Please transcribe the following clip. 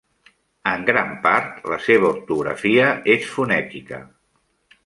En gran part, la seva ortografia és fonètica.